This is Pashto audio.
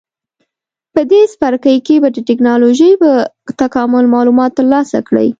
په دې څپرکي کې به د ټېکنالوجۍ په تکامل معلومات ترلاسه کړئ.